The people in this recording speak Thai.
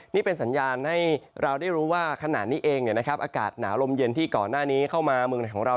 นี่เป็นสัญญาณให้เราได้รู้ว่าขณะนี้เองอากาศหนาวลมเย็นที่ก่อนหน้านี้เข้ามาเมืองในของเรา